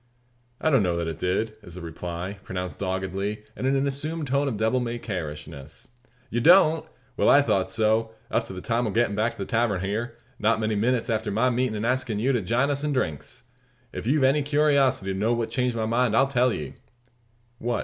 "I don't know that it did," is the reply, pronounced doggedly, and in an assumed tone of devil may care ishness. "You don't! Well, I thought so, up to the time o' gettin' back to the tavern hyar not many minutes afore my meetin' and askin' you to jine us in drinks. If you've any curiosity to know what changed my mind, I'll tell ye." "What?"